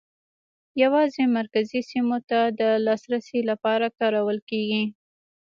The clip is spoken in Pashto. یوازې مرکزي سیمو ته د لاسرسي لپاره کارول کېږي.